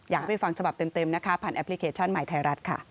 ให้ไปฟังฉบับเต็มนะคะผ่านแอปพลิเคชันใหม่ไทยรัฐค่ะ